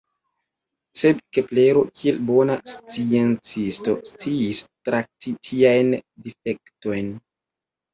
Sed Keplero, kiel bona sciencisto, sciis trakti tiajn difektojn.